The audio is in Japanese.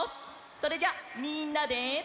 それじゃみんなで。